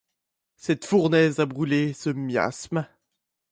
Cette fournaise a brûlé ce miasme.